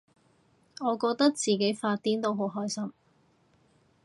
我覺得自己發癲都好開心